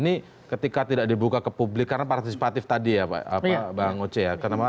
ini ketika tidak dibuka ke publik karena partisipatif tadi ya pak bang oce ya